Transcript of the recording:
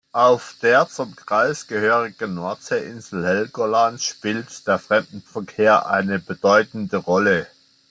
Auf der zum Kreis gehörigen Nordseeinsel Helgoland spielt der Fremdenverkehr eine bedeutende Rolle.